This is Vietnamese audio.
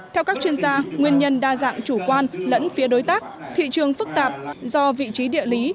theo các chuyên gia nguyên nhân đa dạng chủ quan lẫn phía đối tác thị trường phức tạp do vị trí địa lý